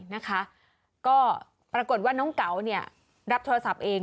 นะคะก็ปรากฏว่าน้องเก๋าเนี่ยรับโทรศัพท์เอง